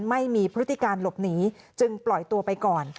พฤติการหลบหนีจึงปล่อยตัวไปก่อน